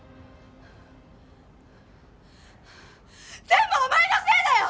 全部お前のせいだよ！